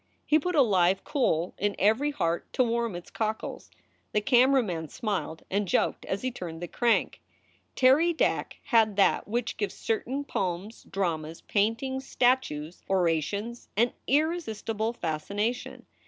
He put a live coal in every heart to warm its cockles. The camera man smiled and joked as he turned the crank. Terry Dack had that which gives certain poems, dramas, paintings, statues, orations, an irresistible fascination.